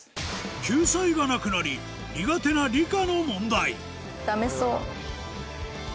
救済がなくなり苦手な理科の問題